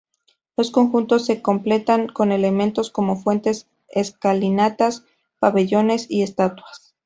Los conjuntos se completan con elementos como fuentes, escalinatas, pabellones y estatuas.